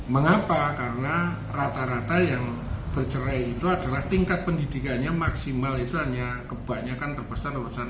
mengapa karena rata rata yang bercerai itu adalah tingkat pendidikannya maksimal itu hanya kebanyakan terbesar urusan